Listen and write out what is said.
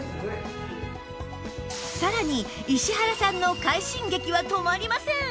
さらに石原さんの快進撃は止まりません！